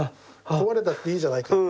壊れたっていいじゃないか。